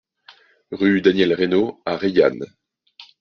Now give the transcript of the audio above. Rue Daniel Reynaud à Reillanne